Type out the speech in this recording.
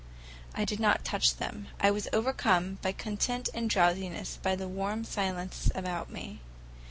I did not touch them. I was overcome by content and drowsiness and by the warm silence about me.